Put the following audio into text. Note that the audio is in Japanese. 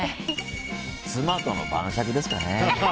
妻との晩酌ですかね。